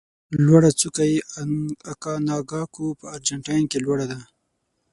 لوړه څوکه یې اکانکاګو په ارجنتاین کې لوړه ده.